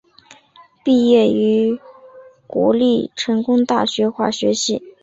毕业于国立成功大学化学系。